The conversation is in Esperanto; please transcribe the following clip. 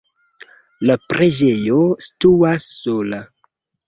La preĝejo situas sola.